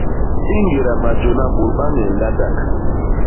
I ñgéda majôna bôt ba ññee ñgandak.